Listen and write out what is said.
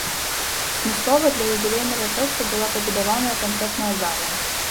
Адмыслова для юбілейнага фэсту была пабудаваная канцэртная зала.